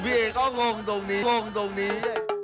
พี่เอ๊ก็งงตรงนี้